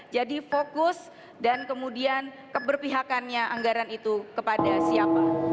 jadi fokus dan kemudian keberpihakannya anggaran itu kepada siapa